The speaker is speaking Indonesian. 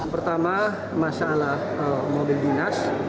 pertama masalah mobil dinas